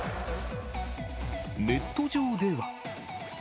ネット上では。